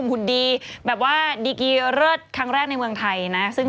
คุณทำไมดูผิวผ่องพันเมื่อกัน